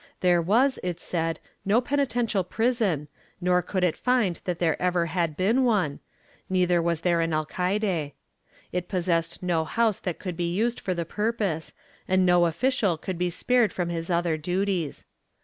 There was, it said, no penitential prison nor could it find that there ever had been one, neither was there an alcaide; it possessed no house that could be used for the purpose, and no official could be spared from his other duties.